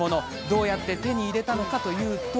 どうやって手に入れたのかというと。